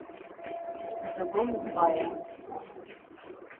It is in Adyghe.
Зыгом уфая?